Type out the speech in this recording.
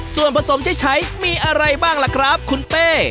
ส่วนผสมที่ใช้มีอะไรบ้างล่ะครับคุณเป้